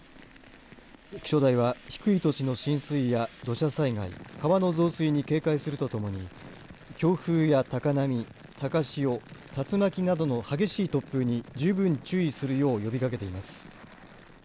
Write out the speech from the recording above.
気象台は低い土地の浸水や土砂災害川の増水に警戒するとともに強風や高波、高潮竜巻などの激しい突風に十分注意するよう呼びかけています。